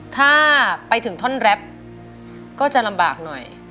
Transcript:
ถ้าไปถึงท่อนแรปก็จะลำบากหน่อย